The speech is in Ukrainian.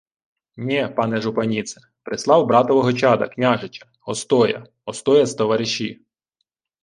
— Нє, пані жупаніце. Прислав братового чада, княжича... Остоя. Остоя з товариші.